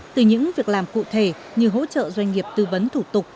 từ những việc làm cụ thể như hỗ trợ doanh nghiệp tư vấn thủ tục